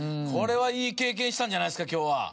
これはいい経験したんじゃないですか今日は。